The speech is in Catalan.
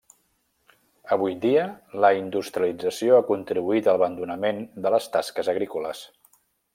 Avui dia, la industrialització ha contribuït a l'abandonament de les tasques agrícoles.